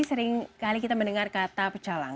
seringkali kita mendengar kata pecalang